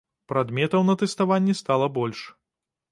Прадметаў на тэставанні стала больш.